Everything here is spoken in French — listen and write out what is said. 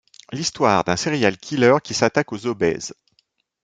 L'histoire d'un serial killer qui s'attaque aux obèses.